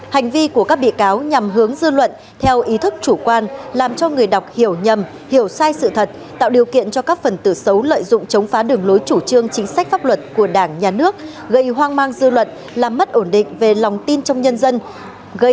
hành vi của các bị cáo nhằm hướng dư luận theo ý thức chủ quan làm cho người đọc hiểu nhầm hiểu sai sự thật tạo điều kiện cho các phần tử xấu lợi dụng chống phá đường lối chủ trương chính sách pháp luật của đảng nhà nước gây hoang mang dư luận làm mất ổn định về lòng tin trong nhân dân